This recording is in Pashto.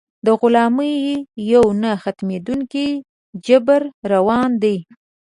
د غلامۍ یو نه ختمېدونکی جبر روان دی.